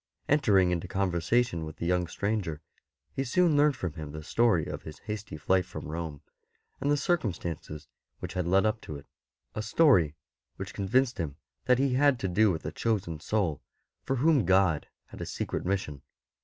Entering into con versation with the young stranger, he soon learnt from him the story of his hasty flight from Rome, and the circumstances which had led up to it — a story which convinced him that he had to do with a chosen soul, for whom God had a secret mission.